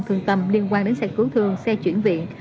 thương tâm liên quan đến xe cứu thương xe chuyển viện